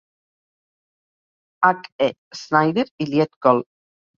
H. E. Snider i Lieut-Col.